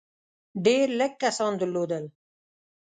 ډېر لږ کسان درلودل.